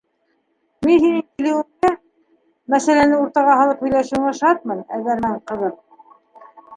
Мин һинең килеүеңә... мәсьәләне уртаға һалып һөйләшеүеңә шатмын, эҙәрмән ҡыҙым.